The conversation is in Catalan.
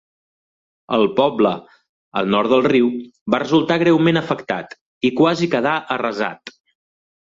El poble al nord del riu va resultar greument afectat, i quasi quedà arrasat.